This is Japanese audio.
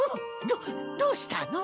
どどうしたの？